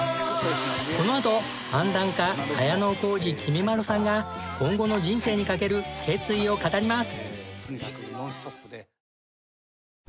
このあと漫談家綾小路きみまろさんが今後の人生にかける決意を語ります。